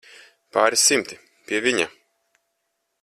Pāris simti, pie viņa.